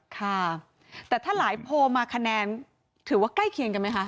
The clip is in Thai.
ค่ะแต่ถ้าหลายโพลมาคะแนนถือว่าใกล้เคียงกันไหมคะ